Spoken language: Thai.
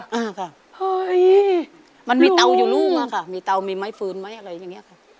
อ่าค่ะมันมีเตาอยู่รุ่งค่ะมีเตามีไม้ฟื้นอะไรอย่างนี้ค่ะ